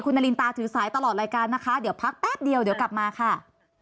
นารินตาถือสายตลอดรายการนะคะเดี๋ยวพักแป๊บเดียวเดี๋ยวกลับมาค่ะ